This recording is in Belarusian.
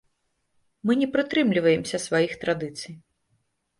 Мы не прытрымліваемся сваіх традыцый.